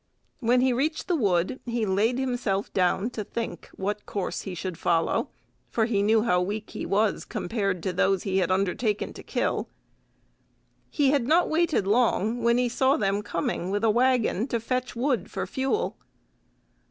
When he reached the wood, he laid himself down to think what course he would follow, for he knew how weak he was compared to those he had undertaken to kill. He had not waited long, when he saw them coming with a waggon to fetch wood for fuel.